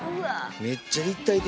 めっちゃ立体的。